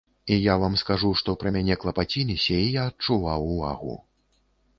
І я вам скажу, што пра мяне клапаціліся і я адчуваў увагу.